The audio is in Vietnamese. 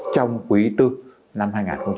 trong quý iv năm hai nghìn hai mươi một